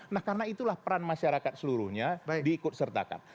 nah karena itulah peran masyarakat seluruhnya diikut sertakan